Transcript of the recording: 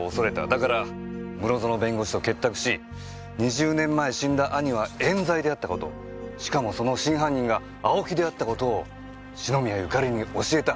だから室園弁護士と結託し２０年前死んだ兄は冤罪であった事しかもその真犯人が青木であった事を篠宮ゆかりに教えた。